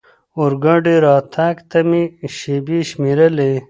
اورګاډي راتګ ته مې شېبې شمېرلې.